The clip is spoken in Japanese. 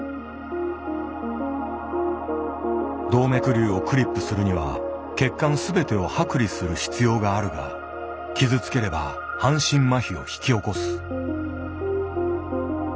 動脈瘤をクリップするには血管全てを剥離する必要があるが傷つければ半身麻痺を引き起こす。